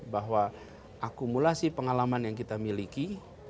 bahwa akumulasi pengalaman yang kita miliki